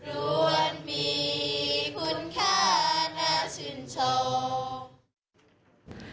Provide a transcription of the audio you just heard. รวมมีคุณค่านาชินโชค